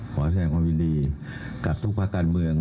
แสดงความยินดีกับทุกภาคการเมือง